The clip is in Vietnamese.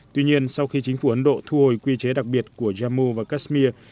tuy nhiên sau khi chính phủ ấn độ thu hồi quy chế đặc biệt của jammu và kashmir